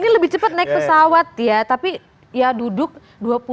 lebih cepat naik pesawat ya tapi ya duduk dua puluh jam saja itu sudah oke